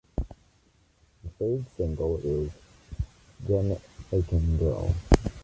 The third single is "Jamaican Girl".